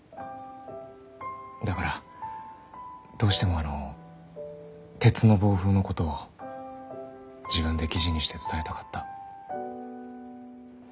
だからどうしてもあの「鉄の暴風」のことを自分で記事にして伝えたかった。